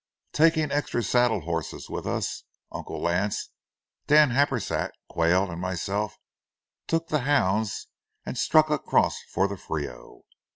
Taking extra saddle horses with us, Uncle Lance, Dan Happersett, Quayle, and myself took the hounds and struck across for the Frio.